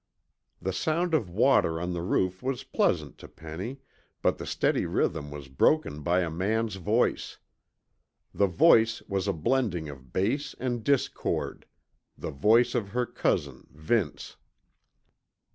The sound of water on the roof was pleasant to Penny, but the steady rhythm was broken by a man's voice. The voice was a blending of bass and discord, the voice of her cousin, Vince.